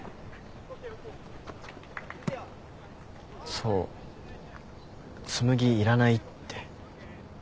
想「紬いらない」って。